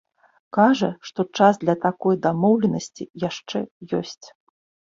Кажа, што час для такой дамоўленасці яшчэ ёсць.